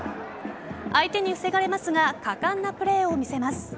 相手に防がれますが果敢なプレーを見せます。